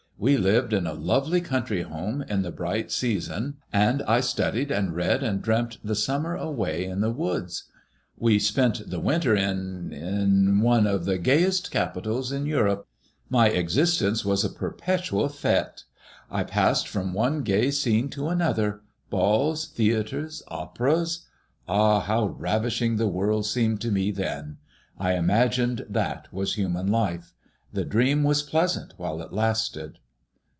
We lived in a lovely country home in the bright MADEMOISELLS IXE. 1 37 season, and I studied and read and dreamt the summer away in the woods. We spent the win ter in ^in one of the gayest capitals in Europe. My exis tence was a perpetual fite. I passed from one gay scene to another — balls, theatres, operas I Ah I how ravishing the world seemed to me then I I imagined that was human life. The dream was pleasant while it lasted."